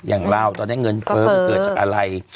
อย่างลาวตอนนี้เงินเฟิร์มเกิดจากอะไร